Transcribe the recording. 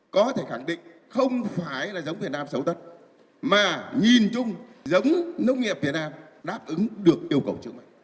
có thể khẳng định không phải là giống việt nam xấu tất mà nhìn chung giống nông nghiệp việt nam đáp ứng được yêu cầu trước mặt